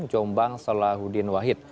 jombang solahuddin wahid